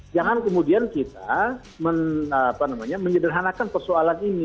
jangan kemudian kita menyederhanakan persoalan ini